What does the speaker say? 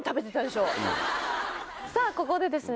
さぁここでですね。